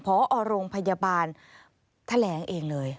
พอโรงพยาบาลแถลงเองเลย